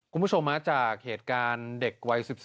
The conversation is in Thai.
คุณผู้ชมมาจากเหตุการณ์เด็กวัย๑๔